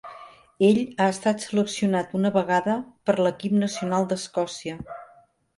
Ell ha estat seleccionat una vegada per l'equip nacional d'Escòcia.